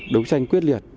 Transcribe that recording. đấu tranh quyết liệt